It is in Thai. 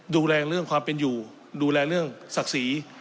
ดูแลเรื่องความเป็นอยู่ดูแลเรื่องศักดิ์ศรี